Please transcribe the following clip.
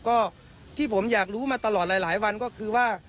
ก็ที่ผมอยากรู้มาตลอดหลายวันก็คือว่า